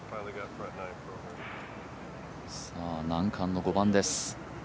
難関の５番です。